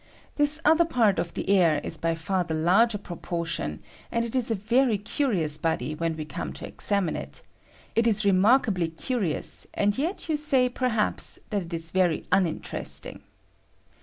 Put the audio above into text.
This other part of the air is by far the larger pro I portion, and it is a very curious body when we come to examine it; it is remarkably curious, and yet you say, perhaps, that it is very unin teresting.